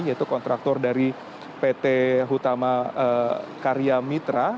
yaitu kontraktor dari pt hutama karya mitra